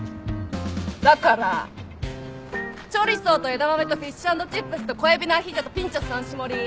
だからチョリソーと枝豆とフィッシュ＆チップスと小エビのアヒージョとピンチョス３種盛り。